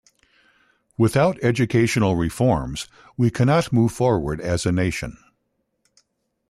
Without education reforms we can not move forward as a nation.